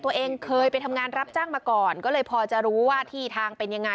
ตัวเองเคยไปทำงานรับจ้างมาก่อนก็เลยพอจะรู้ว่าที่ทางเป็นยังไง